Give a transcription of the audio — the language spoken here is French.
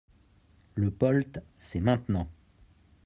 Le POLT, c’est maintenant